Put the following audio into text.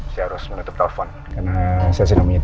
saya harus menutup telepon karena saya sedang menyetir